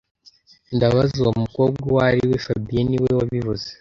Ndabaza uwo mukobwa uwo ari we fabien niwe wabivuze